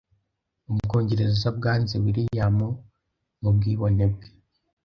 Ubwongereza bwanze William mubwibone bwe